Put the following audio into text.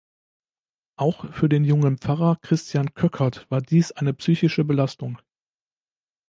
Auch für den jungen Pfarrer Christian Köckert war dies eine psychische Belastung.